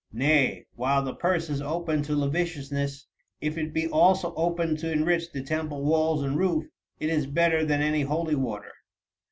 Nay, while the purse is open to lasciviousness, if it be also open to enrich the temple walls and roof, it is better than any holy water....